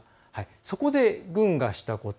そこで、軍がしたこと。